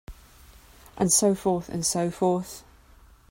And so forth and so forth.